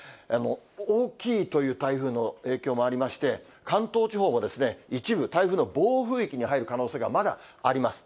大きいという台風の影響もありまして、関東地方も一部、台風の暴風域に入る可能性がまだあります。